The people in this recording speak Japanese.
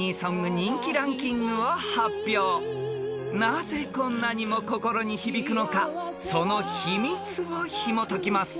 ［なぜこんなにも心に響くのかその秘密をひもときます］